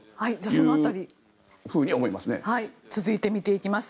その辺り続いて見ていきます。